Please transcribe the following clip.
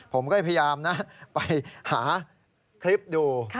ผมก็ยังพยายามไปหาคลิปดู